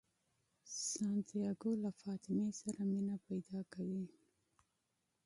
سانتیاګو له فاطمې سره مینه پیدا کوي.